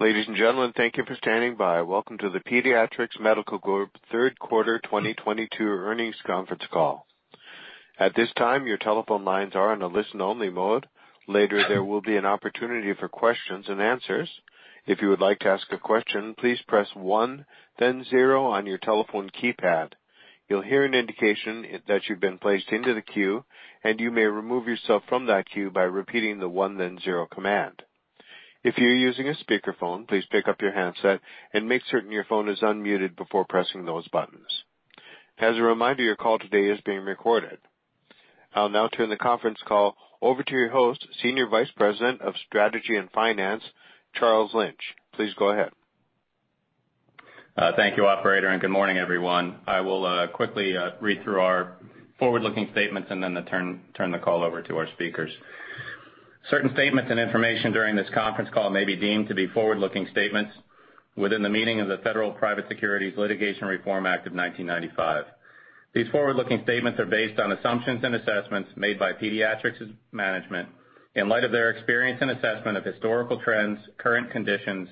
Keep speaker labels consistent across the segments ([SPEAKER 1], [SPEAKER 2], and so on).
[SPEAKER 1] Ladies and gentlemen, thank you for standing by. Welcome to the Pediatrix Medical Group Third Quarter 2022 Earnings Conference Call. At this time, your telephone lines are on a listen-only mode. Later, there will be an opportunity for questions and answers. If you would like to ask a question, please press one then zero on your telephone keypad. You'll hear an indication that you've been placed into the queue, and you may remove yourself from that queue by repeating the one then zero command. If you're using a speakerphone, please pick up your handset and make certain your phone is unmuted before pressing those buttons. As a reminder, your call today is being recorded. I'll now turn the conference call over to your host, Senior Vice President of Strategy and Finance, Charles Lynch. Please go ahead.
[SPEAKER 2] Thank you, operator, and good morning, everyone. I will quickly read through our forward-looking statements and then turn the call over to our speakers. Certain statements and information during this conference call may be deemed to be forward-looking statements within the meaning of the Private Securities Litigation Reform Act of 1995. These forward-looking statements are based on assumptions and assessments made by Pediatrix's management in light of their experience and assessment of historical trends, current conditions,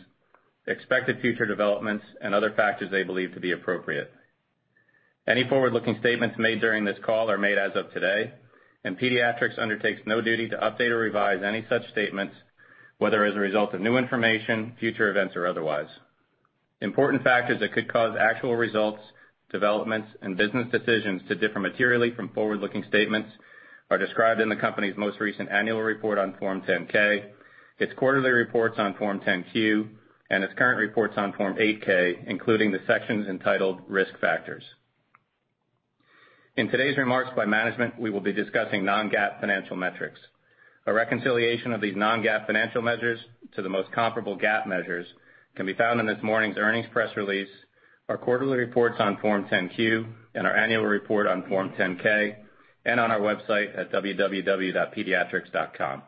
[SPEAKER 2] expected future developments, and other factors they believe to be appropriate. Any forward-looking statements made during this call are made as of today, and Pediatrix undertakes no duty to update or revise any such statements, whether as a result of new information, future events, or otherwise. Important factors that could cause actual results, developments, and business decisions to differ materially from forward-looking statements are described in the company's most recent annual report on Form 10-K, its quarterly reports on Form 10-Q, and its current reports on Form 8-K, including the sections entitled Risk Factors. In today's remarks by management, we will be discussing non-GAAP financial metrics. A reconciliation of these non-GAAP financial measures to the most comparable GAAP measures can be found in this morning's earnings press release, our quarterly reports on Form 10-Q and our annual report on Form 10-K, and on our website at www.pediatrix.com.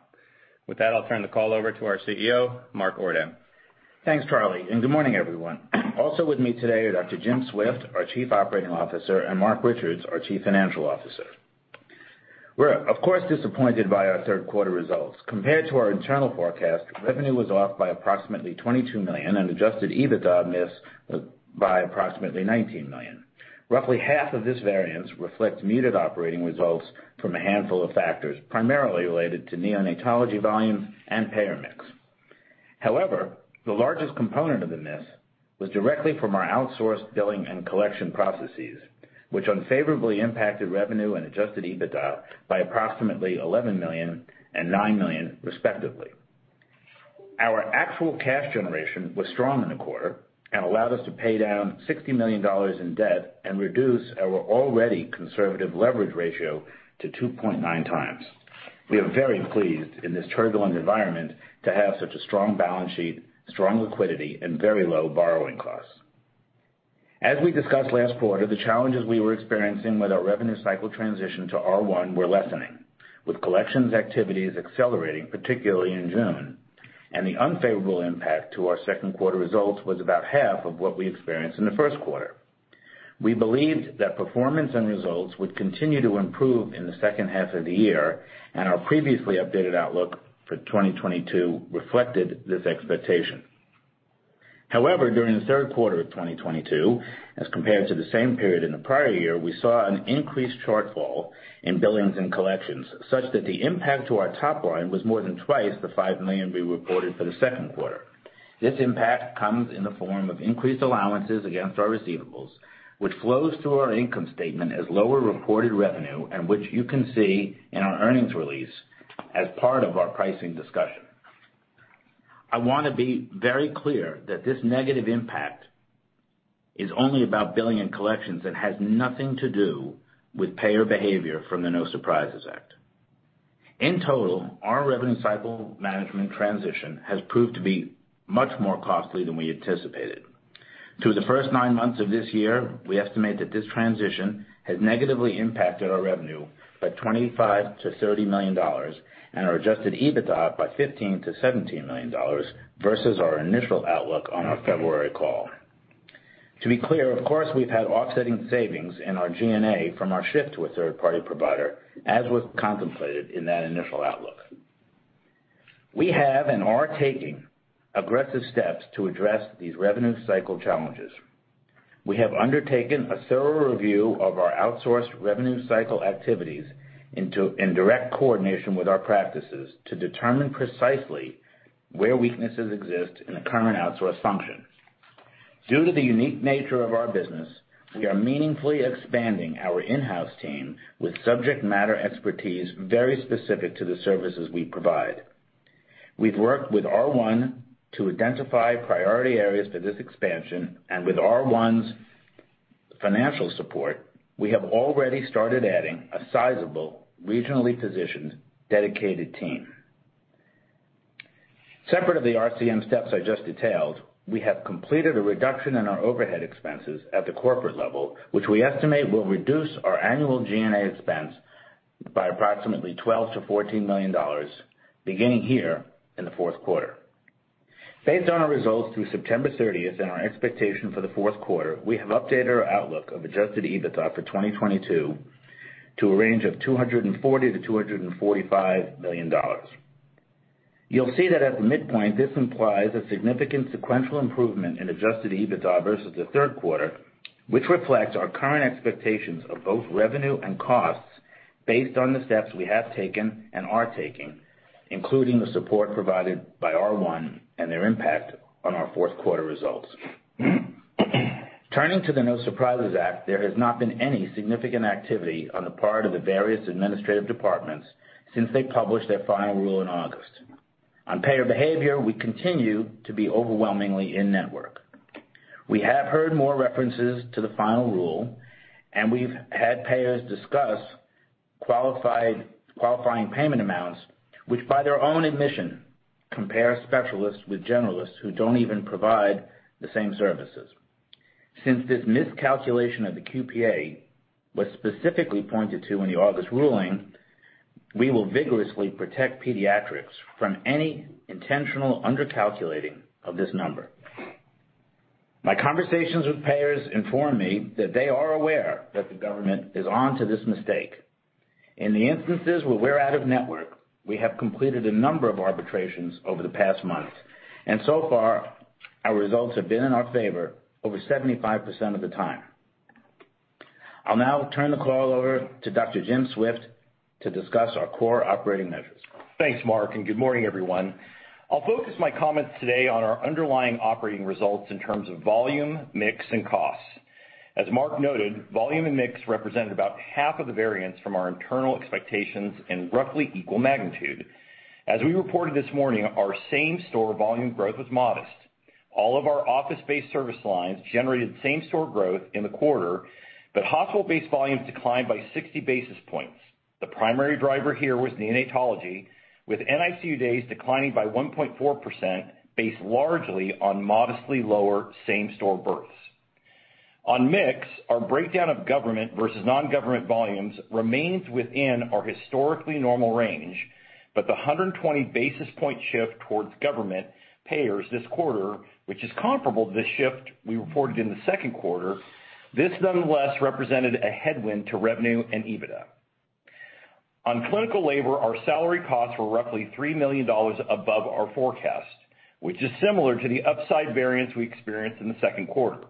[SPEAKER 2] With that, I'll turn the call over to our CEO, Mark Ordan.
[SPEAKER 3] Thanks, Charles, and good morning, everyone. Also with me today are Dr. Jim Swift, our Chief Operating Officer, and Marc Richards, our Chief Financial Officer. We're of course disappointed by our third quarter results. Compared to our internal forecast, revenue was off by approximately $22 million and adjusted EBITDA missed by approximately $19 million. Roughly half of this variance reflects muted operating results from a handful of factors, primarily related to neonatology volume and payer mix. However, the largest component of the miss was directly from our outsourced billing and collection processes, which unfavorably impacted revenue and adjusted EBITDA by approximately $11 million and $9 million, respectively. Our actual cash generation was strong in the quarter and allowed us to pay down $60 million in debt and reduce our already conservative leverage ratio to 2.9 times. We are very pleased in this turbulent environment to have such a strong balance sheet, strong liquidity, and very low borrowing costs. As we discussed last quarter, the challenges we were experiencing with our revenue cycle transition to R1 were lessening, with collections activities accelerating, particularly in June, and the unfavorable impact to our second quarter results was about half of what we experienced in the first quarter. We believed that performance and results would continue to improve in the second half of the year, and our previously updated outlook for 2022 reflected this expectation. However, during the third quarter of 2022, as compared to the same period in the prior year, we saw an increased shortfall in billings and collections, such that the impact to our top line was more than twice the $5 million we reported for the second quarter. This impact comes in the form of increased allowances against our receivables, which flows through our income statement as lower reported revenue and which you can see in our earnings release as part of our pricing discussion. I wanna be very clear that this negative impact is only about billing and collections and has nothing to do with payer behavior from the No Surprises Act. In total, our revenue cycle management transition has proved to be much more costly than we anticipated. Through the first nine months of this year, we estimate that this transition has negatively impacted our revenue by $25 million-$30 million and our adjusted EBITDA by $15 million-$17 million versus our initial outlook on our February call. To be clear, of course, we've had offsetting savings in our G&A from our shift to a third-party provider, as was contemplated in that initial outlook. We have and are taking aggressive steps to address these revenue cycle challenges. We have undertaken a thorough review of our outsourced revenue cycle activities in direct coordination with our practices to determine precisely where weaknesses exist in the current outsource function. Due to the unique nature of our business, we are meaningfully expanding our in-house team with subject matter expertise very specific to the services we provide. We've worked with R1 to identify priority areas for this expansion and with R1's financial support, we have already started adding a sizable, regionally positioned, dedicated team. Separate from the RCM steps I just detailed, we have completed a reduction in our overhead expenses at the corporate level, which we estimate will reduce our annual G&A expense by approximately $12-$14 million beginning here in the fourth quarter. Based on our results through September 30 and our expectation for the fourth quarter, we have updated our outlook of adjusted EBITDA for 2022 to a range of $240-$245 million. You'll see that at the midpoint, this implies a significant sequential improvement in adjusted EBITDA versus the third quarter, which reflects our current expectations of both revenue and costs based on the steps we have taken and are taking, including the support provided by R1 and their impact on our fourth quarter results. Turning to the No Surprises Act, there has not been any significant activity on the part of the various administrative departments since they published their final rule in August. On payer behavior, we continue to be overwhelmingly in-network. We have heard more references to the final rule, and we've had payers discuss qualifying payment amounts, which, by their own admission, compare specialists with generalists who don't even provide the same services. Since this miscalculation of the QPA was specifically pointed to in the August ruling, we will vigorously protect Pediatrix from any intentional under-calculating of this number. My conversations with payers inform me that they are aware that the government is onto this mistake. In the instances where we're out of network, we have completed a number of arbitrations over the past months, and so far, our results have been in our favor over 75% of the time. I'll now turn the call over to Dr. Jim Swift to discuss our core operating measures.
[SPEAKER 4] Thanks, Mark, and good morning, everyone. I'll focus my comments today on our underlying operating results in terms of volume, mix, and costs. As Mark noted, volume and mix represented about half of the variance from our internal expectations in roughly equal magnitude. As we reported this morning, our same-store volume growth was modest. All of our office-based service lines generated same-store growth in the quarter, but hospital-based volumes declined by 60 basis points. The primary driver here was neonatology, with NICU days declining by 1.4% based largely on modestly lower same-store births. On mix, our breakdown of government versus non-government volumes remains within our historically normal range, but the 120 basis point shift towards government payers this quarter, which is comparable to the shift we reported in the second quarter, this nonetheless represented a headwind to revenue and EBITDA. On clinical labor, our salary costs were roughly $3 million above our forecast, which is similar to the upside variance we experienced in the second quarter.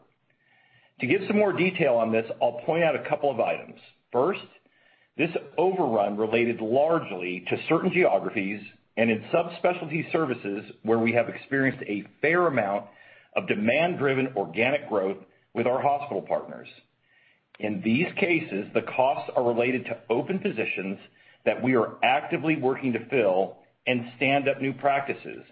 [SPEAKER 4] To give some more detail on this, I'll point out a couple of items. First, this overrun related largely to certain geographies and in subspecialty services where we have experienced a fair amount of demand-driven organic growth with our hospital partners. In these cases, the costs are related to open positions that we are actively working to fill and stand up new practices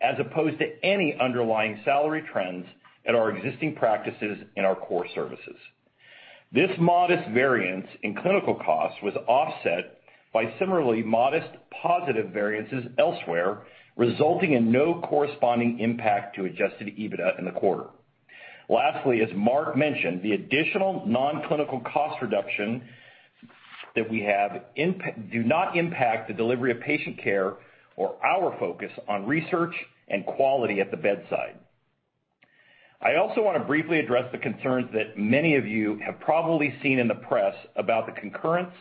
[SPEAKER 4] as opposed to any underlying salary trends at our existing practices in our core services. This modest variance in clinical costs was offset by similarly modest positive variances elsewhere, resulting in no corresponding impact to adjusted EBITDA in the quarter. Lastly, as Mark mentioned, the additional non-clinical cost reductions that we have implemented do not impact the delivery of patient care or our focus on research and quality at the bedside. I also wanna briefly address the concerns that many of you have probably seen in the press about the concurrence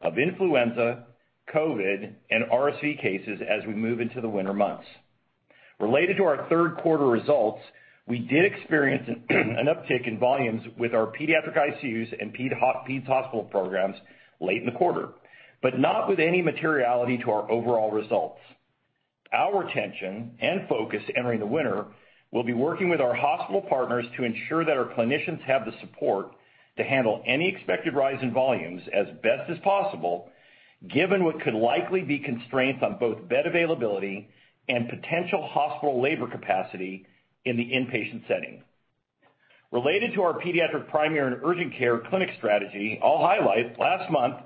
[SPEAKER 4] of influenza, COVID, and RSV cases as we move into the winter months. Related to our third quarter results, we did experience an uptick in volumes with our pediatric ICUs and peds hospital programs late in the quarter, but not with any materiality to our overall results. Our attention and focus entering the winter will be working with our hospital partners to ensure that our clinicians have the support to handle any expected rise in volumes as best as possible, given what could likely be constraints on both bed availability and potential hospital labor capacity in the inpatient setting. Related to our pediatric primary and urgent care clinic strategy, I'll highlight last month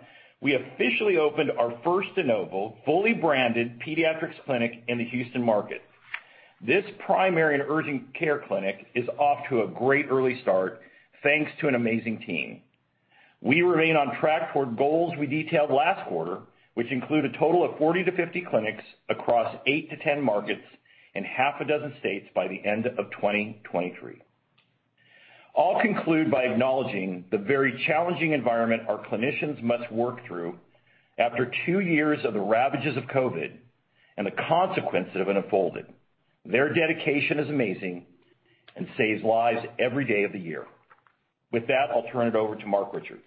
[SPEAKER 4] we officially opened our first de novo fully branded Pediatrix clinic in the Houston market. This primary and urgent care clinic is off to a great early start thanks to an amazing team. We remain on track for goals we detailed last quarter, which include a total of 40-50 clinics across 8-10 markets in 6 states by the end of 2023. I'll conclude by acknowledging the very challenging environment our clinicians must work through after two years of the ravages of COVID and the consequences that have unfolded. Their dedication is amazing and saves lives every day of the year. With that, I'll turn it over to Marc Richards.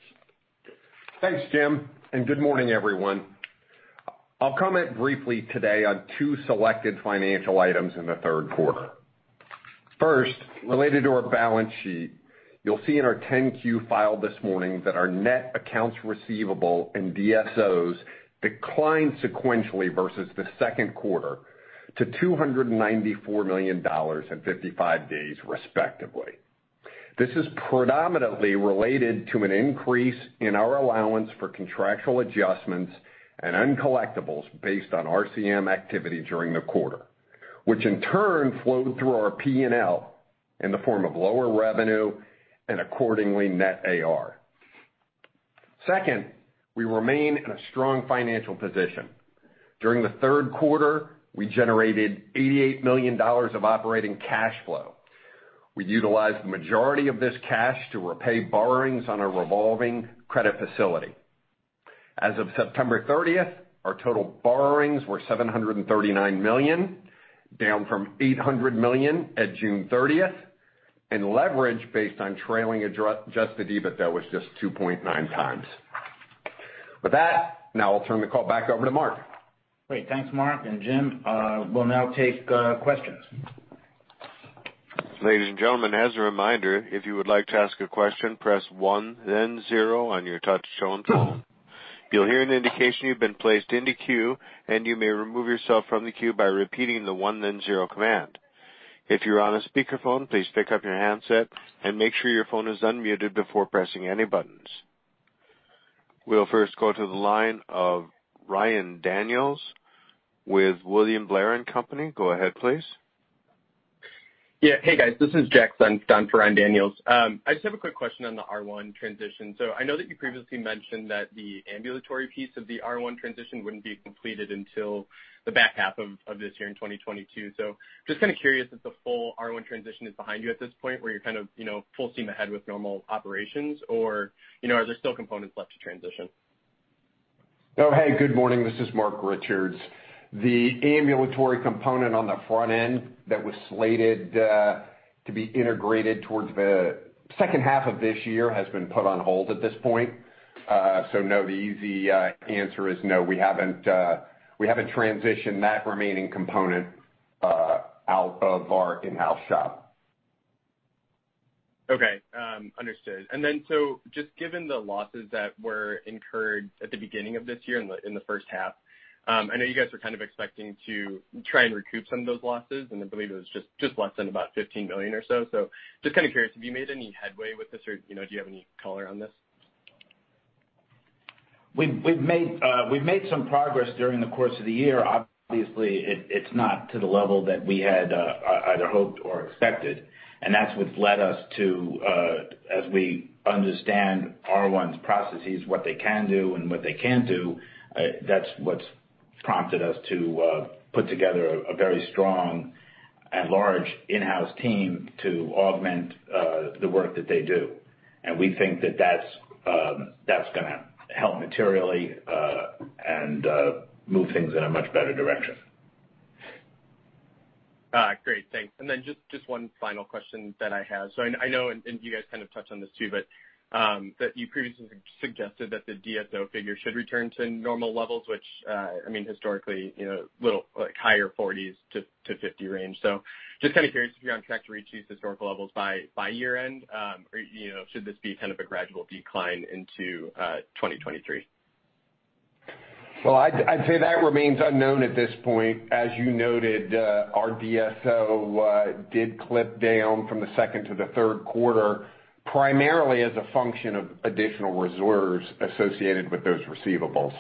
[SPEAKER 5] Thanks, Jim, and good morning, everyone. I'll comment briefly today on two selected financial items in the third quarter. First, related to our balance sheet, you'll see in our 10-Q file this morning that our net accounts receivable and DSOs declined sequentially versus the second quarter to $294 million and 55 days, respectively. This is predominantly related to an increase in our allowance for contractual adjustments and uncollectibles based on RCM activity during the quarter, which in turn flowed through our P&L in the form of lower revenue and accordingly net AR. Second, we remain in a strong financial position. During the third quarter, we generated $88 million of operating cash flow. We utilized the majority of this cash to repay borrowings on a revolving credit facility. As of September 30th, our total borrowings were $739 million, down from $800 million at June thirtieth, and leverage based on trailing adjusted EBITDA was just 2.9 times. With that, now I'll turn the call back over to Mark.
[SPEAKER 3] Great. Thanks, Marc and Jim. We'll now take questions.
[SPEAKER 1] Ladies and gentlemen, as a reminder, if you would like to ask a question, press one then zero on your touchtone phone. You'll hear an indication you've been placed in the queue, and you may remove yourself from the queue by repeating the one then zero command. If you're on a speakerphone, please pick up your handset and make sure your phone is unmuted before pressing any buttons. We'll first go to the line of Ryan Daniels with William Blair & Company. Go ahead, please.
[SPEAKER 6] Yeah. Hey, guys. This is Jack for Ryan Daniels. I just have a quick question on the R1 transition. I know that you previously mentioned that the ambulatory piece of the R1 transition wouldn't be completed until the back half of this year in 2022. Just kinda curious if the full R1 transition is behind you at this point, where you're kind of, you know, full steam ahead with normal operations or, you know, are there still components left to transition?
[SPEAKER 5] Oh, hey, good morning. This is Marc Richards. The ambulatory component on the front end that was slated to be integrated towards the second half of this year has been put on hold at this point. No, the easy answer is no, we haven't transitioned that remaining component out of our in-house shop.
[SPEAKER 6] Okay, understood. Just given the losses that were incurred at the beginning of this year in the first half, I know you guys were kind of expecting to try and recoup some of those losses, and I believe it was just less than about $15 million or so. Just kinda curious, have you made any headway with this or, you know, do you have any color on this?
[SPEAKER 3] We've made some progress during the course of the year. Obviously it's not to the level that we had either hoped or expected, and that's what's led us to, as we understand R1's processes, what they can do and what they can't do, that's what's prompted us to put together a very strong and large in-house team to augment the work that they do. We think that that's gonna help materially and move things in a much better direction.
[SPEAKER 6] Great. Thanks. Just one final question that I had. I know and you guys kind of touched on this too, but you previously suggested that the DSO figure should return to normal levels, which, I mean historically, you know, little like higher 40s to 50 range. Just kinda curious if you're on track to reach these historical levels by year-end, or, you know, should this be kind of a gradual decline into 2023?
[SPEAKER 5] Well, I'd say that remains unknown at this point. As you noted, our DSO did clip down from the second to the third quarter, primarily as a function of additional reserves associated with those receivables.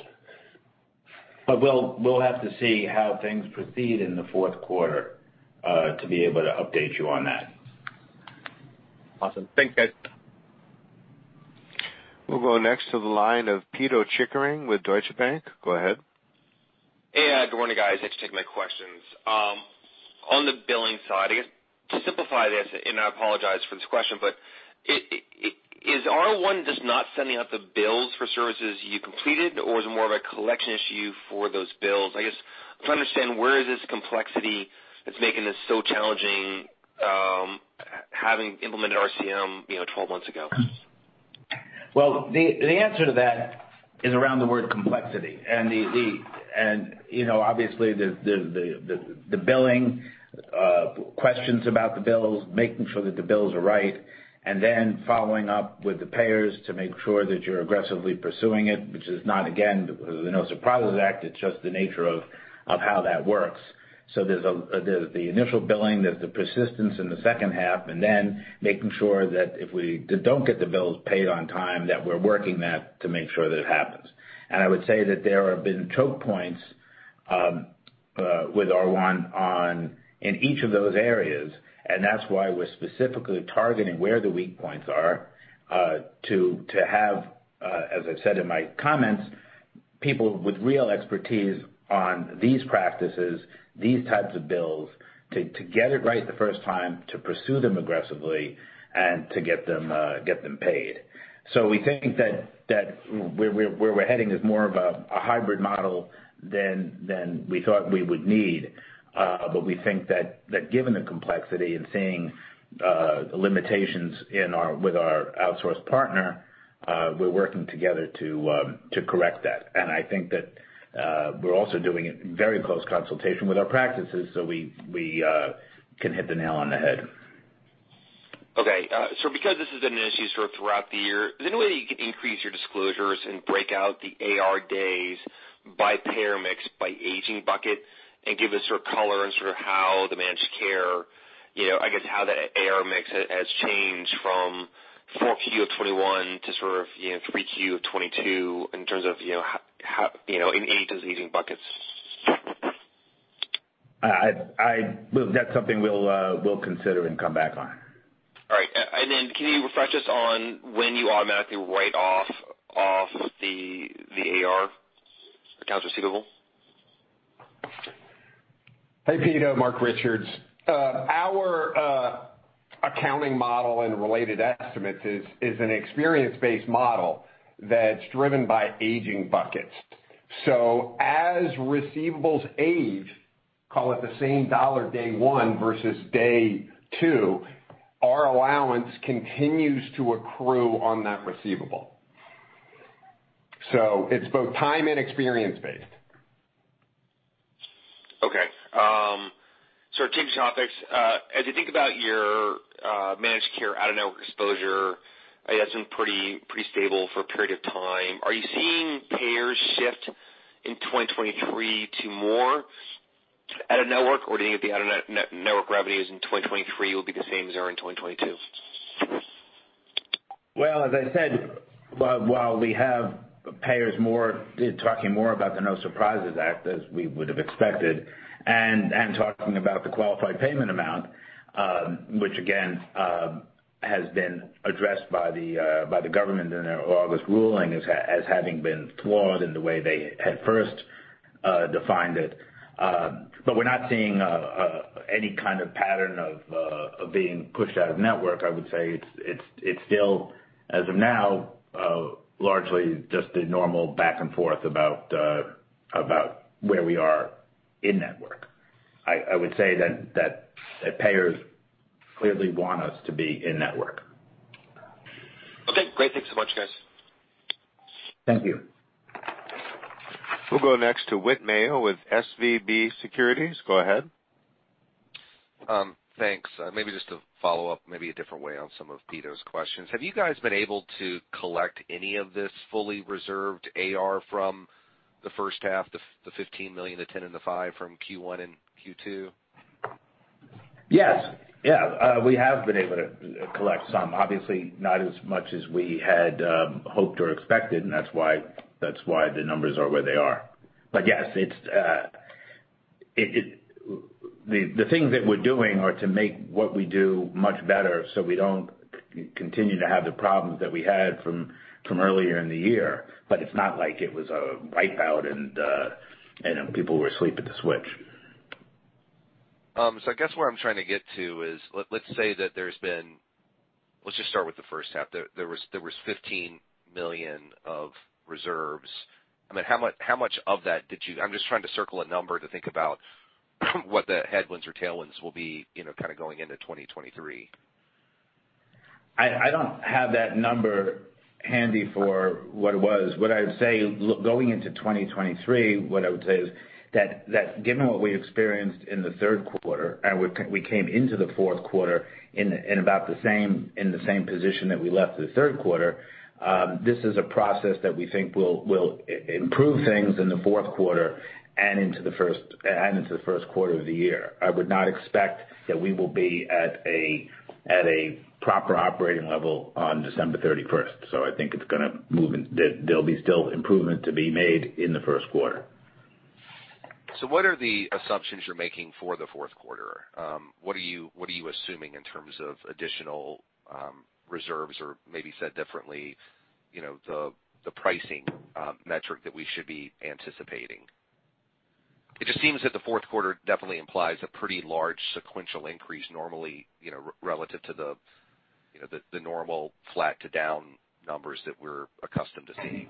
[SPEAKER 3] We'll have to see how things proceed in the fourth quarter to be able to update you on that.
[SPEAKER 6] Awesome. Thanks, guys.
[SPEAKER 1] We'll go next to the line of Pito Chickering with Deutsche Bank. Go ahead.
[SPEAKER 7] Hey, good morning, guys. Thanks for taking my questions. On the billing side, I guess to simplify this, and I apologize for this question, but is R1 just not sending out the bills for services you completed or is it more of a collection issue for those bills? I guess to understand where is this complexity that's making this so challenging, having implemented RCM, you know, 12 months ago?
[SPEAKER 3] The answer to that is around the world complexity and, you know, obviously the billing questions about the bills, making sure that the bills are right, and then following up with the payers to make sure that you're aggressively pursuing it, which is not, again, because of the No Surprises Act. It's just the nature of how that works. There's the initial billing, there's the persistence in the second half, and then making sure that if we don't get the bills paid on time, that we're working that to make sure that it happens. I would say that there have been choke points with R1 in each of those areas, and that's why we're specifically targeting where the weak points are to have, as I said in my comments, people with real expertise on these practices, these types of bills, to get it right the first time, to pursue them aggressively and to get them paid. We think that where we're heading is more of a hybrid model than we thought we would need. But we think that given the complexity and seeing the limitations with our outsource partner, we're working together to correct that. I think that, we're also doing it in very close consultation with our practices, so we can hit the nail on the head.
[SPEAKER 7] Okay. Because this has been an issue sort of throughout the year, is there any way you can increase your disclosures and break out the AR days by payer mix, by aging bucket, and give us sort of color on sort of how the managed care, you know, I guess how the AR mix has changed from 4Q of 2021 to sort of, you know, 3Q of 2022 in terms of, you know, how in aging buckets?
[SPEAKER 3] Look, that's something we'll consider and come back on.
[SPEAKER 7] All right. Can you refresh us on when you automatically write off the AR accounts receivable?
[SPEAKER 5] Hey, Pito, Marc Richards. Our accounting model and related estimates is an experience-based model that's driven by aging buckets. As receivables age, call it the same dollar day one versus day two, our allowance continues to accrue on that receivable. It's both time and experience-based.
[SPEAKER 7] Change topics. As you think about your managed care out-of-network exposure, it has been pretty stable for a period of time. Are you seeing payers shift in 2023 to more out-of-network, or do you think the out-of-network revenues in 2023 will be the same as they were in 2022?
[SPEAKER 3] Well, as I said, while we have payers more, talking more about the No Surprises Act as we would have expected, and talking about the Qualifying Payment Amount, which again has been addressed by the government in their August ruling as having been flawed in the way they at first defined it. We're not seeing any kind of pattern of being pushed out-of-network. I would say it's still, as of now, largely just a normal back and forth about where we are in-network. I would say that payers clearly want us to be in-network.
[SPEAKER 7] Okay, great. Thanks so much, guys.
[SPEAKER 3] Thank you.
[SPEAKER 1] We'll go next to Whit Mayo with SVB Securities. Go ahead.
[SPEAKER 8] Thanks. Maybe just to follow up, maybe a different way on some of Pito Chickering's questions. Have you guys been able to collect any of this fully reserved AR from the first half, the $15 million, the $10 million and the $5 million from Q1 and Q2?
[SPEAKER 3] Yes. Yeah, we have been able to collect some. Obviously, not as much as we had hoped or expected, and that's why the numbers are where they are. Yes, it's it. The things that we're doing are to make what we do much better, so we don't continue to have the problems that we had from earlier in the year. It's not like it was a wipe-out and people were asleep at the switch.
[SPEAKER 8] I guess where I'm trying to get to is, let's just start with the first half. There was $15 million of reserves. I mean, how much of that, I'm just trying to circle a number to think about what the headwinds or tailwinds will be, you know, kind of going into 2023.
[SPEAKER 3] I don't have that number handy for what it was. What I would say going into 2023 is that given what we experienced in the third quarter, we came into the fourth quarter in about the same position that we left the third quarter. This is a process that we think will improve things in the fourth quarter and into the first quarter of the year. I would not expect that we will be at a proper operating level on December 31st. I think there'll be still improvement to be made in the first quarter.
[SPEAKER 8] What are the assumptions you're making for the fourth quarter? What are you assuming in terms of additional reserves? Or maybe said differently, you know, the pricing metric that we should be anticipating? It just seems that the fourth quarter definitely implies a pretty large sequential increase normally, you know, relative to the, you know, the normal flat to down numbers that we're accustomed to seeing.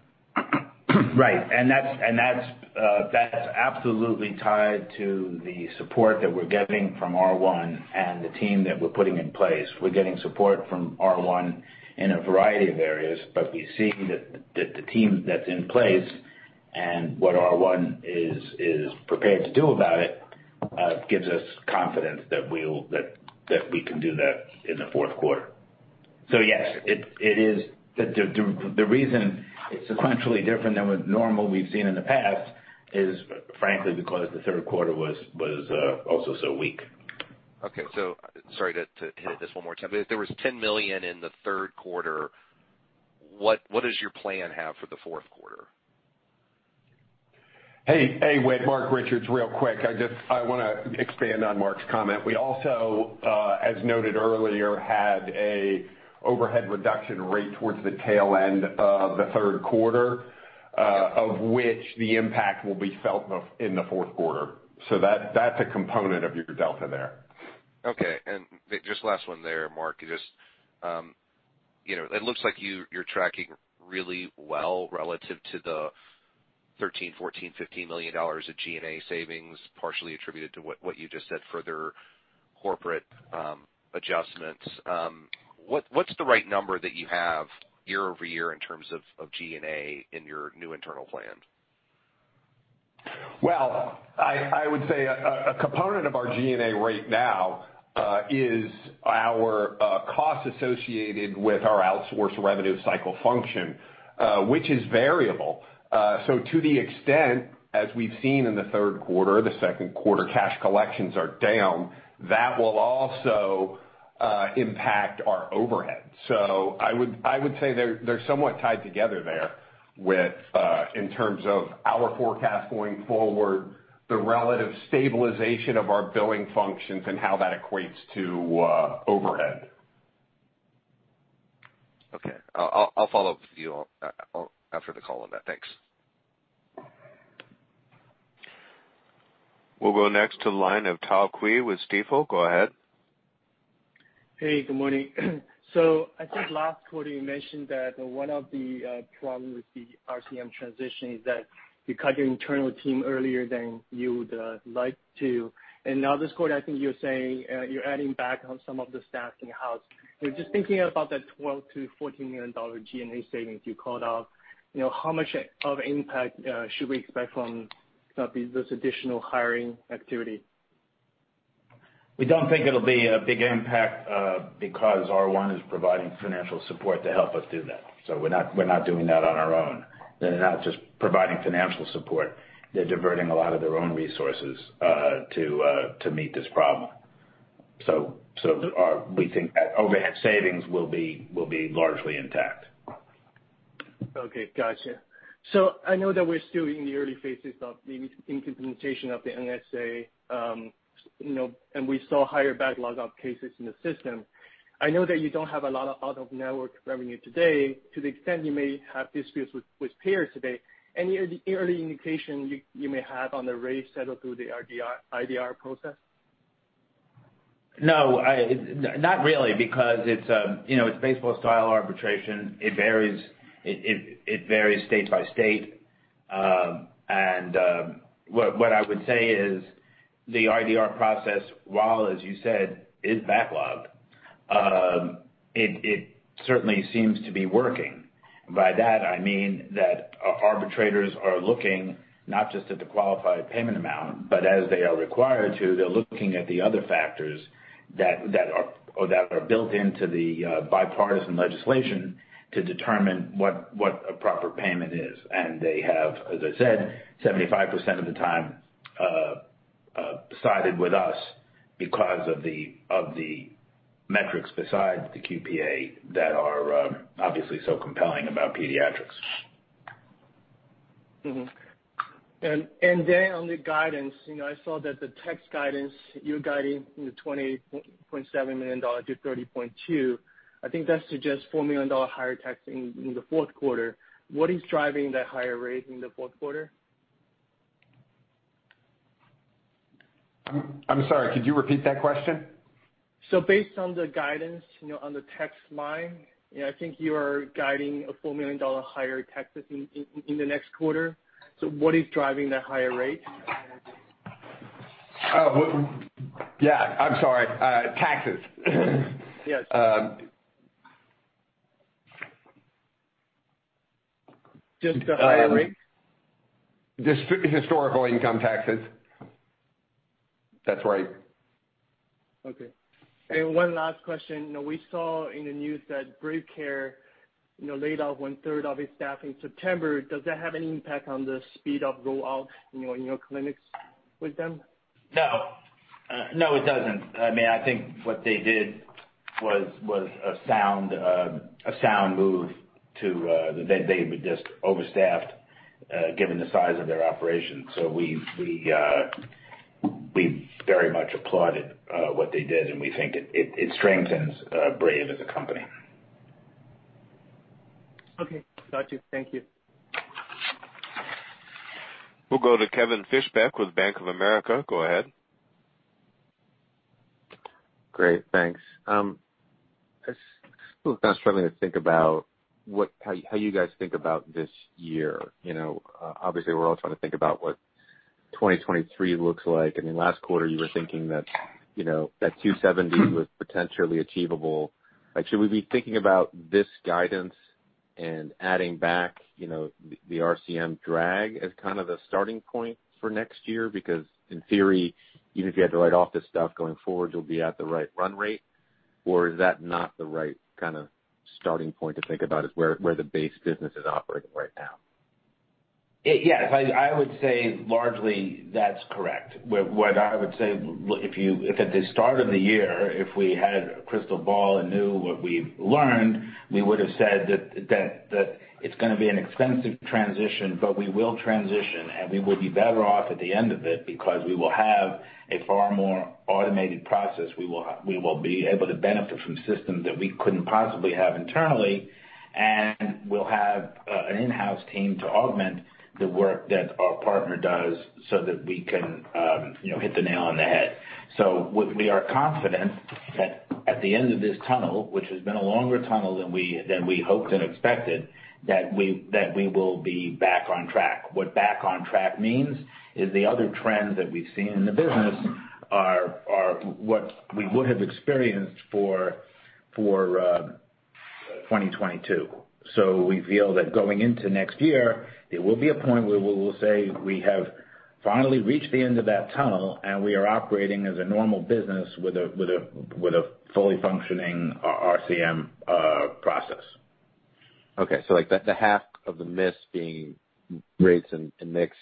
[SPEAKER 3] Right. That's absolutely tied to the support that we're getting from R1 and the team that we're putting in place. We're getting support from R1 in a variety of areas, but we're seeing that the team that's in place and what R1 is prepared to do about it gives us confidence that we can do that in the fourth quarter. Yes, it is. The reason it's sequentially different than what normally we've seen in the past is frankly because the third quarter was also so weak.
[SPEAKER 8] Okay. Sorry to hit this one more time. If there was $10 million in the third quarter, what does your plan have for the fourth quarter?
[SPEAKER 5] Hey, Whit. Marc Richards, real quick. I wanna expand on Mark's comment. We also, as noted earlier, had an overhead reduction rate towards the tail end of the third quarter, of which the impact will be felt in the fourth quarter. That's a component of your delta there.
[SPEAKER 8] Okay. Just last one there, Marc. Just, you know, it looks like you're tracking really well relative to the $13-$15 million of G&A savings, partially attributed to what you just said, further corporate adjustments. What's the right number that you have year-over-year in terms of G&A in your new internal plan?
[SPEAKER 5] Well, I would say a component of our G&A right now is our cost associated with our outsourced revenue cycle function, which is variable. To the extent, as we've seen in the third quarter, the second quarter, cash collections are down, that will also Impact our overhead. I would say they're somewhat tied together there with in terms of our forecast going forward, the relative stabilization of our billing functions and how that equates to overhead.
[SPEAKER 8] Okay. I'll follow up with you after the call on that. Thanks.
[SPEAKER 1] We'll go next to the line of Tao Qiu with Stifel. Go ahead.
[SPEAKER 9] Hey, good morning. I think last quarter you mentioned that one of the problems with the RCM transition is that you cut your internal team earlier than you would have liked to. Now this quarter, I think you're saying you're adding back on some of the staff in-house. Just thinking about that $12 million-$14 million G&A savings you called out, you know, how much of impact should we expect from, you know, this additional hiring activity?
[SPEAKER 3] We don't think it'll be a big impact, because R1 is providing financial support to help us do that. We're not doing that on our own. They're not just providing financial support, they're diverting a lot of their own resources to meet this problem. We think that overhead savings will be largely intact.
[SPEAKER 9] Okay. Gotcha. I know that we're still in the early phases of the implementation of the NSA, and we saw higher backlog of cases in the system. I know that you don't have a lot of out-of-network revenue today to the extent you may have disputes with payers today. Any early indication you may have on the rate settled through the IDR process?
[SPEAKER 3] No, not really, because it's, you know, it's baseball style arbitration. It varies state by state. What I would say is the IDR process, while, as you said, is backlogged, it certainly seems to be working. By that, I mean that our arbitrators are looking not just at the Qualifying Payment Amount, but as they are required to, they're looking at the other factors that are built into the bipartisan legislation to determine what a proper payment is. They have, as I said, 75% of the time, sided with us because of the metrics besides the QPA that are obviously so compelling about Pediatrix.
[SPEAKER 9] On the guidance, you know, I saw that the tax guidance. You're guiding from $20.7 million to $30.2 million. I think that suggests $4 million higher tax in the fourth quarter. What is driving that higher rate in the fourth quarter?
[SPEAKER 3] I'm sorry, could you repeat that question?
[SPEAKER 9] Based on the guidance, you know, on the tax line, you know, I think you are guiding a $4 million higher taxes in the next quarter. What is driving that higher rate?
[SPEAKER 3] Yeah, I'm sorry. Taxes.
[SPEAKER 9] Yes, Just the higher rate?
[SPEAKER 3] Just historical income taxes. That's right.
[SPEAKER 9] Okay. One last question. You know, we saw in the news that Brave Care, you know, laid off one-third of its staff in September. Does that have any impact on the speed of rollout, you know, in your clinics with them?
[SPEAKER 3] No. No, it doesn't. I mean, I think what they did was a sound move. They were just overstaffed given the size of their operation. We very much applauded what they did, and we think it strengthens Brave as a company.
[SPEAKER 9] Okay. Got you. Thank you.
[SPEAKER 1] We'll go to Kevin Fischbeck with Bank of America. Go ahead.
[SPEAKER 10] Great. Thanks. I'm still kind of struggling to think about how you guys think about this year. You know, obviously, we're all trying to think about what 2023 looks like. I mean, last quarter you were thinking that, you know, that $270 was potentially achievable. Like, should we be thinking about this guidance and adding back, you know, the RCM drag as kind of the starting point for next year? Because in theory, even if you had to write off this stuff going forward, you'll be at the right run rate. Or is that not the right kind of starting point to think about where the base business is operating right now?
[SPEAKER 3] Yes. I would say largely that's correct. What I would say if at the start of the year, if we had a crystal ball and knew what we've learned, we would have said that it's gonna be an expensive transition, but we will transition, and we will be better off at the end of it because we will have a far more automated process. We will be able to benefit from systems that we couldn't possibly have internally, and we'll have an in-house team to augment the work that our partner does so that we can, you know, hit the nail on the head. We are confident that at the end of this tunnel, which has been a longer tunnel than we hoped and expected, that we will be back on track. What back on track means is the other trends that we've seen in the business are what we would have experienced for 2022. We feel that going into next year, there will be a point where we will say we have finally reached the end of that tunnel, and we are operating as a normal business with a fully functioning RCM process.
[SPEAKER 10] Like the half of the miss being rates and mix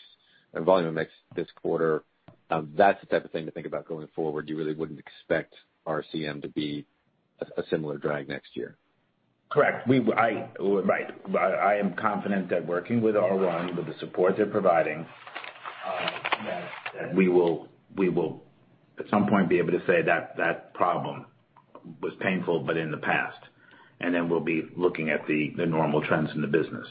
[SPEAKER 10] and volume of mix this quarter, that's the type of thing to think about going forward. You really wouldn't expect RCM to be a similar drag next year.
[SPEAKER 3] Correct. Right. I am confident that working with R1, with the support they're providing, that we will at some point be able to say that that problem was painful but in the past. Then we'll be looking at the normal trends in the business,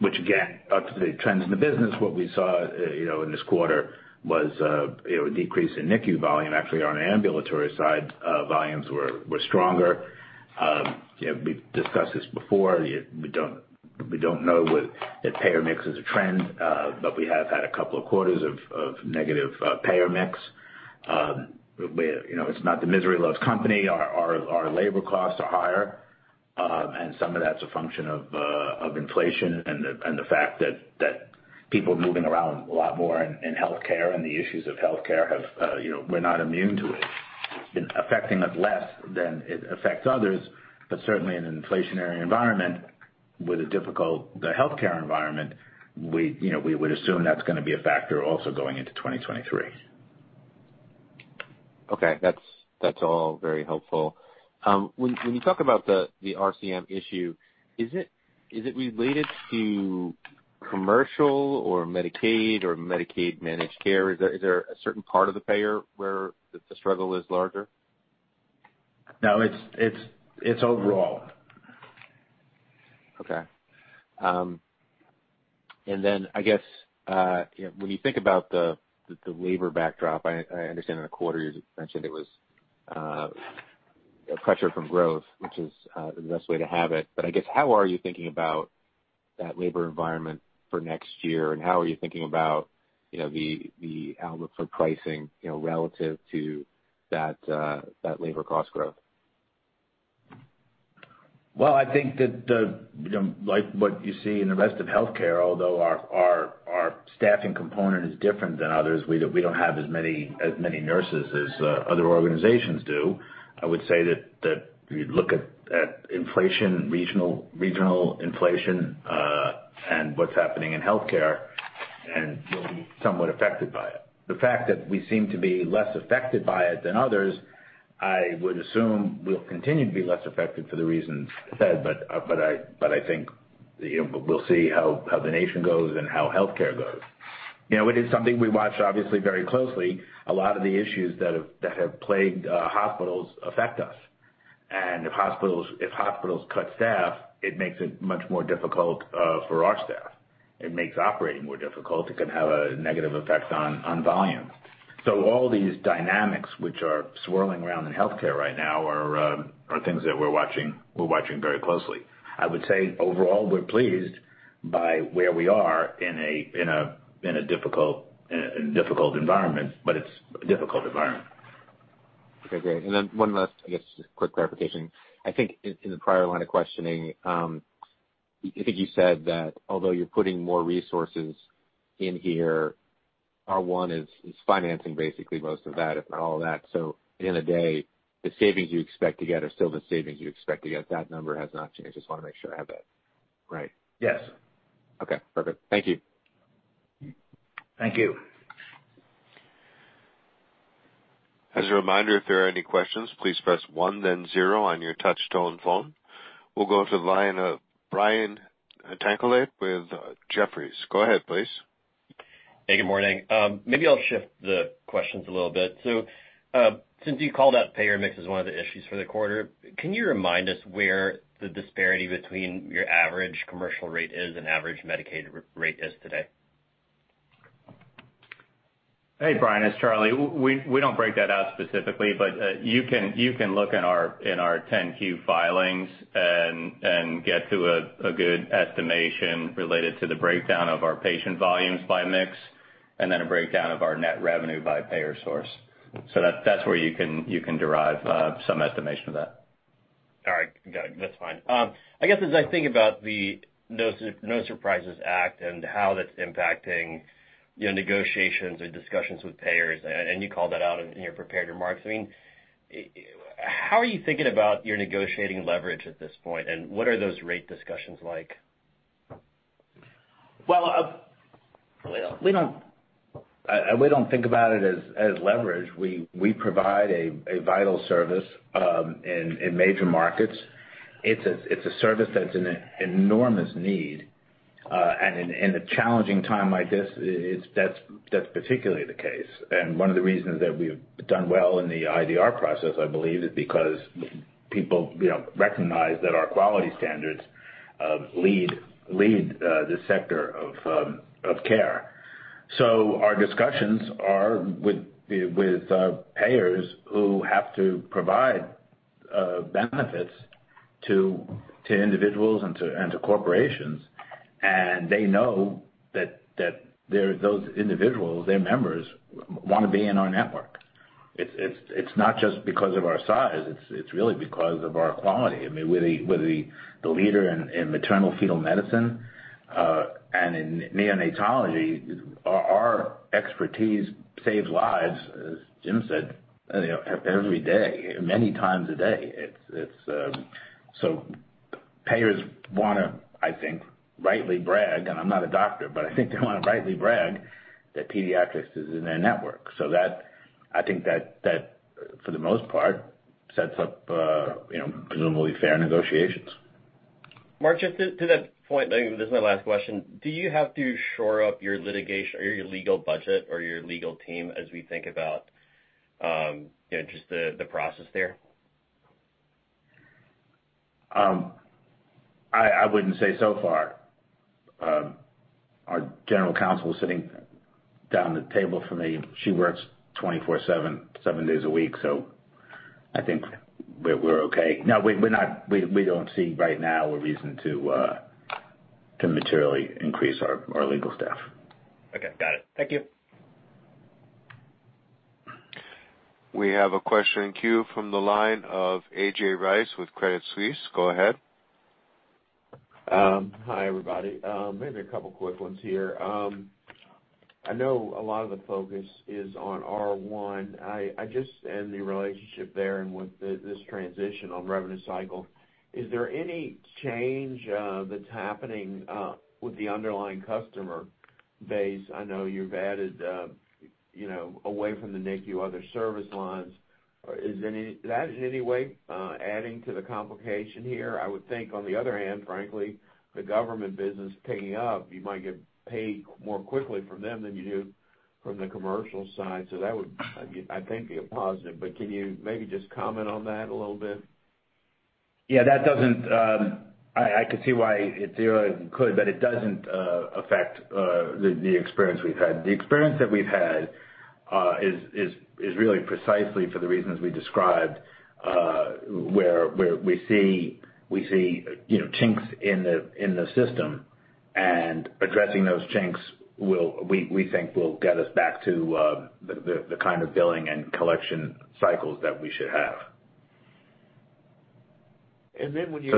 [SPEAKER 3] which again, the trends in the business, what we saw in this quarter was a decrease in NICU volume. Actually, on ambulatory side, volumes were stronger. We've discussed this before. We don't know if payer mix is a trend, but we have had a couple of quarters of negative payer mix, where it's not the misery loves company. Our labor costs are higher, and some of that's a function of inflation and the fact that people are moving around a lot more in healthcare, and the issues of healthcare have. You know, we're not immune to it. It's been affecting us less than it affects others, but certainly in an inflationary environment with the healthcare environment, you know, we would assume that's gonna be a factor also going into 2023.
[SPEAKER 10] Okay. That's all very helpful. When you talk about the RCM issue, is it related to commercial or Medicaid or Medicaid managed care? Is there a certain part of the payer where the struggle is larger?
[SPEAKER 3] No, it's overall.
[SPEAKER 10] Okay. I guess, you know, when you think about the labor backdrop, I understand in the quarter you mentioned it was pressure from growth, which is the best way to have it. I guess, how are you thinking about that labor environment for next year? How are you thinking about, you know, the outlook for pricing, you know, relative to that labor cost growth?
[SPEAKER 3] Well, I think that the, you know, like what you see in the rest of healthcare, although our staffing component is different than others, we don't have as many nurses as other organizations do. I would say that if you look at inflation, regional inflation, and what's happening in healthcare, and we'll be somewhat affected by it. The fact that we seem to be less affected by it than others, I would assume we'll continue to be less affected for the reasons I said. But I think, you know, we'll see how the nation goes and how healthcare goes. You know, it is something we watch obviously very closely. A lot of the issues that have plagued hospitals affect us. If hospitals cut staff, it makes it much more difficult for our staff. It makes operating more difficult. It can have a negative effect on volume. All these dynamics which are swirling around in healthcare right now are things that we're watching very closely. I would say overall, we're pleased by where we are in a difficult environment, but it's a difficult environment.
[SPEAKER 10] Okay, great. One last, I guess, just quick clarification. I think in the prior line of questioning, I think you said that although you're putting more resources in here, R1 is financing basically most of that, if not all of that. At the end of the day, the savings you expect to get are still the savings you expect to get. That number has not changed. I just wanna make sure I have that right.
[SPEAKER 3] Yes.
[SPEAKER 10] Okay, perfect. Thank you.
[SPEAKER 3] Thank you.
[SPEAKER 1] As a reminder, if there are any questions, please press one then zero on your touch tone phone. We'll go to the line of Brian Tanquilut with Jefferies. Go ahead, please.
[SPEAKER 11] Hey, good morning. Maybe I'll shift the questions a little bit. Since you called out payer mix as one of the issues for the quarter, can you remind us where the disparity between your average commercial rate is and average Medicaid rate is today?
[SPEAKER 2] Hey, Brian, it's Charles. We don't break that out specifically, but you can look in our 10-Q filings and get to a good estimation related to the breakdown of our patient volumes by mix, and then a breakdown of our net revenue by payer source. That's where you can derive some estimation of that.
[SPEAKER 11] All right. Got it. That's fine. I guess as I think about the No Surprises Act and how that's impacting, you know, negotiations or discussions with payers, and you called that out in your prepared remarks. I mean, how are you thinking about your negotiating leverage at this point, and what are those rate discussions like?
[SPEAKER 3] Well, we don't think about it as leverage. We provide a vital service in major markets. It's a service that's in enormous need. In a challenging time like this, that's particularly the case. One of the reasons that we've done well in the IDR process, I believe, is because people, you know, recognize that our quality standards lead this sector of care. Our discussions are with the payers who have to provide benefits to individuals and to corporations. They know that their members wanna be in our network. It's not just because of our size, it's really because of our quality. I mean, we're the leader in maternal-fetal medicine and in neonatology. Our expertise saves lives, as Jim said, you know, every day, many times a day. Payers wanna, I think, rightly brag, and I'm not a doctor, but I think they wanna rightly brag that Pediatrix is in their network. That, I think, for the most part, sets up, you know, presumably fair negotiations.
[SPEAKER 11] Mark, just to that point, I think this is my last question. Do you have to shore up your litigation or your legal budget or your legal team as we think about just the process there?
[SPEAKER 3] I wouldn't say so far. Our general counsel is sitting down the table from me. She works 24/7, seven days a week, so I think we're okay. No, we're not. We don't see right now a reason to materially increase our legal staff.
[SPEAKER 11] Okay. Got it. Thank you.
[SPEAKER 1] We have a question in queue from the line of A.J. Rice with Credit Suisse. Go ahead.
[SPEAKER 12] Hi, everybody. Maybe a couple of quick ones here. I know a lot of the focus is on R1 and the relationship there and with this transition on revenue cycle, is there any change that's happening with the underlying customer base? I know you've added, you know, away from the NICU other service lines. Is that in any way adding to the complication here? I would think on the other hand, frankly, the government business picking up, you might get paid more quickly from them than you do from the commercial side. That would, I think, be a positive. Can you maybe just comment on that a little bit?
[SPEAKER 3] Yeah, that doesn't. I could see why it theoretically could, but it doesn't affect the experience we've had. The experience that we've had is really precisely for the reasons we described, where we see you know, chinks in the system. Addressing those chinks we think will get us back to the kind of billing and collection cycles that we should have.
[SPEAKER 12] When you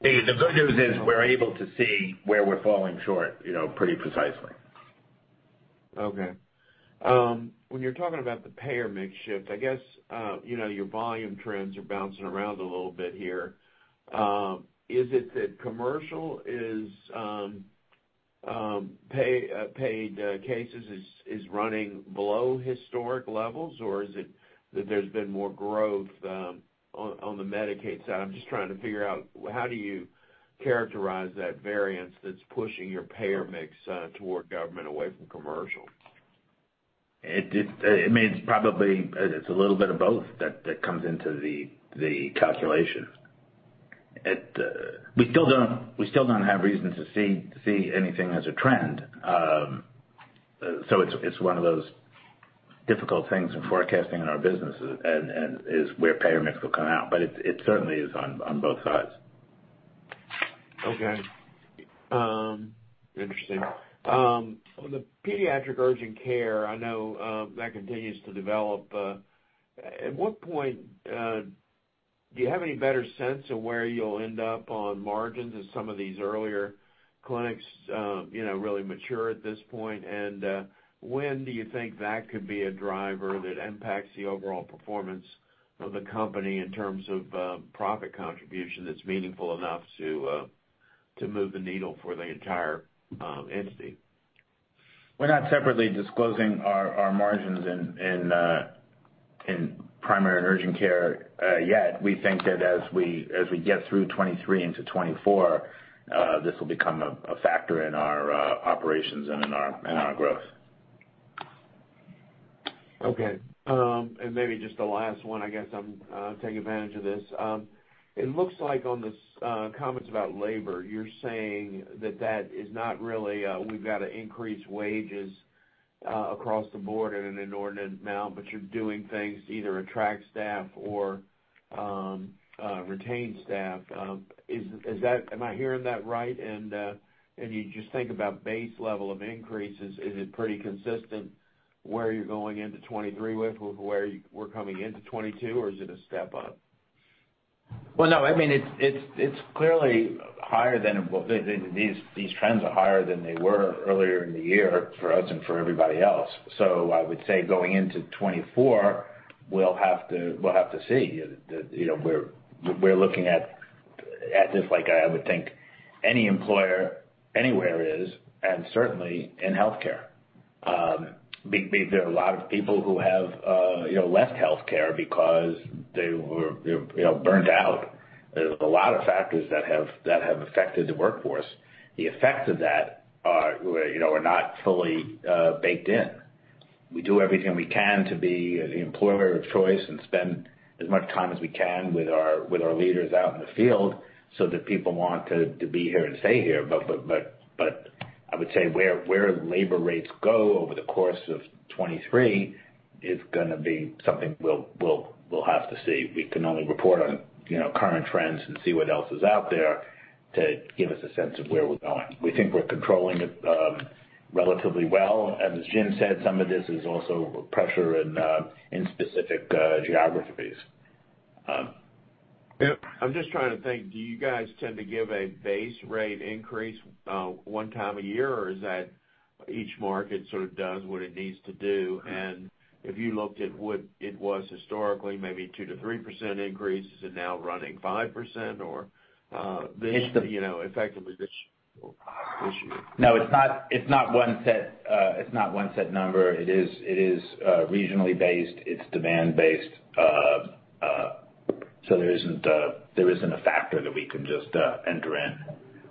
[SPEAKER 3] The good news is we're able to see where we're falling short, you know, pretty precisely.
[SPEAKER 12] Okay. When you're talking about the payer mix shift, I guess, you know, your volume trends are bouncing around a little bit here. Is it that commercial paid cases is running below historic levels, or is it that there's been more growth on the Medicaid side? I'm just trying to figure out how do you characterize that variance that's pushing your payer mix toward government, away from commercial?
[SPEAKER 3] I mean, it's probably a little bit of both that comes into the calculation. We still don't have reason to see anything as a trend. It's one of those difficult things in forecasting in our business and is where payer mix will come out, but it certainly is on both sides.
[SPEAKER 12] Okay. Interesting. On the pediatric urgent care, I know that continues to develop. At what point do you have any better sense of where you'll end up on margins as some of these earlier clinics you know really mature at this point? When do you think that could be a driver that impacts the overall performance of the company in terms of profit contribution that's meaningful enough to move the needle for the entire entity?
[SPEAKER 3] We're not separately disclosing our margins in primary and urgent care yet. We think that as we get through 2023 into 2024, this will become a factor in our operations and in our growth.
[SPEAKER 12] Okay. Maybe just the last one, I guess I'm taking advantage of this. It looks like on the comments about labor, you're saying that is not really a, "We've got to increase wages across the board at an inordinate amount," but you're doing things to either attract staff or retain staff. Is that, am I hearing that right? You just think about base level of increases, is it pretty consistent where you're going into 2023 with where we're coming into 2022, or is it a step up?
[SPEAKER 3] Well, no, I mean, it's clearly higher than. These trends are higher than they were earlier in the year for us and for everybody else. I would say going into 2024, we'll have to see. You know, we're looking at this like I would think any employer anywhere is, and certainly in healthcare. There are a lot of people who have you know left healthcare because they were you know burnt out. There's a lot of factors that have affected the workforce. The effects of that are you know not fully baked in. We do everything we can to be the employer of choice and spend as much time as we can with our leaders out in the field so that people want to be here and stay here. I would say where labor rates go over the course of 2023 is gonna be something we'll have to see. We can only report on, you know, current trends and see what else is out there to give us a sense of where we're going. We think we're controlling it relatively well. As Jim said, some of this is also pressure in specific geographies.
[SPEAKER 12] Yeah. I'm just trying to think, do you guys tend to give a base rate increase one time a year, or is that each market sort of does what it needs to do? If you looked at what it was historically, maybe 2%-3% increase, is it now running 5% or, you know, effectively this issue?
[SPEAKER 3] No, it's not one set number. It is regionally based. It's demand based. So there isn't a factor that we can just enter in.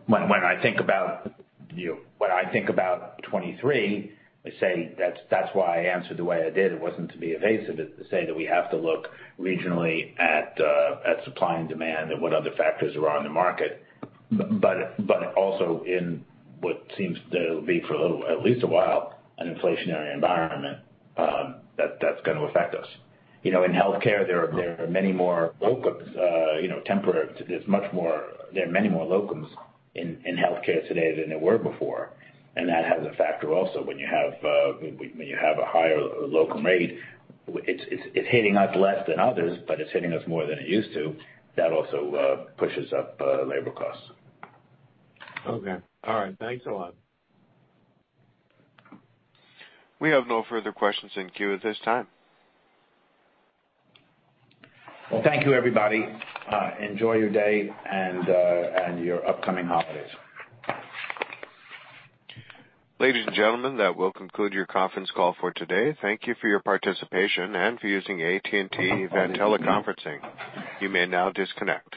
[SPEAKER 3] When I think about, you know, 2023, I say that's why I answered the way I did. It wasn't to be evasive, it's to say that we have to look regionally at supply and demand and what other factors are on the market. But also in what seems to be for at least a little while, an inflationary environment, that's gonna affect us. You know, in healthcare, there are many more locums, you know, temporary. It's much more. There are many more locums in healthcare today than there were before, and that has a factor also. When you have a higher locum rate, it's hitting us less than others, but it's hitting us more than it used to. That also pushes up labor costs.
[SPEAKER 12] Okay. All right. Thanks a lot.
[SPEAKER 1] We have no further questions in queue at this time.
[SPEAKER 3] Well, thank you, everybody. Enjoy your day and your upcoming holidays.
[SPEAKER 1] Ladies and gentlemen, that will conclude your conference call for today. Thank you for your participation and for using AT&T Teleconferencing. You may now disconnect.